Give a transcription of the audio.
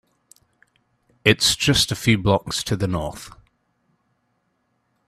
It’s just a few blocks to the North.